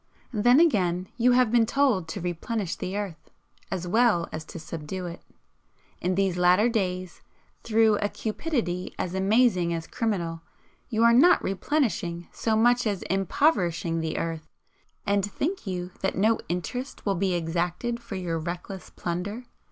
Then, again, you have been told to 'Replenish the earth' as well as to subdue it. In these latter days, through a cupidity as amazing as criminal, you are not 'replenishing' so much as impoverishing the earth, and think you that no interest will be exacted for your reckless plunder?